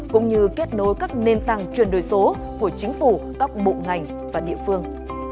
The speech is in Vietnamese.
cũng như kết nối các nền tảng truyền đổi số của chính phủ các bộ ngành và địa phương